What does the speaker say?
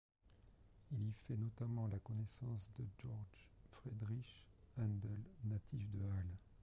Il y fait notamment la connaissance de Georg Friedrich Haendel — natif de Halle.